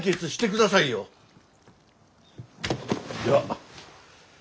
では。